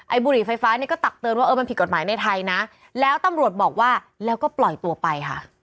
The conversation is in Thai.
บุหรี่ไฟฟ้าเนี่ยก็ตักเตือนว่าเออมันผิดกฎหมายในไทยนะแล้วตำรวจบอกว่าแล้วก็ปล่อยตัวไปค่ะ